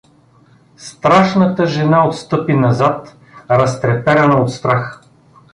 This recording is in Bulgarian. Страшната жена отстъпи назад, разтреперана от страх.